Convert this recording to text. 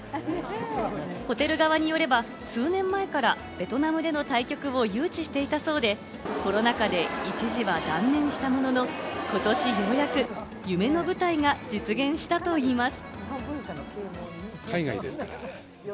ホテル側によれば数年前からベトナムでの対局を誘致していたそうで、コロナ禍で一時は断念したものの、今年ようやく夢の舞台が実現したといいます。